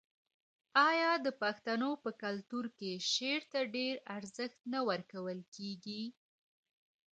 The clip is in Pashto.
آیا د پښتنو په کلتور کې شعر ته ډیر ارزښت نه ورکول کیږي؟